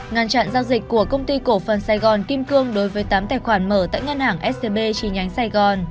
ngăn chặn giao dịch của công ty cổ phần sài gòn kim cương đối với tám tài khoản mở tại ngân hàng scb chi nhánh sài gòn